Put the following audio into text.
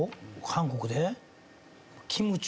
韓国で。